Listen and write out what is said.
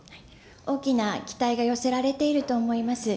大きな期待が寄せられていると思います。